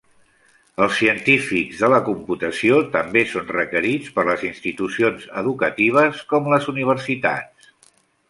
Els científics de la computació també són requerits per les institucions educatives com les universitats.